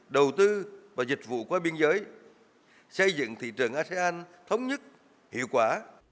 đầu tư và dịch vụ qua biên giới xây dựng thị trường asean thống nhất hiệu quả